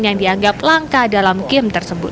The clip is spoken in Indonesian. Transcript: yang dianggap langka dalam game tersebut